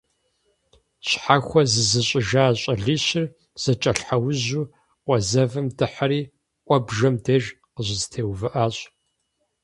Щхьэхуэ зызыщIыжа щIалищыр зэкIэлъхьэужьу къуэ зэвым дыхьэри «Iуэбжэм» деж къыщызэтеувыIащ.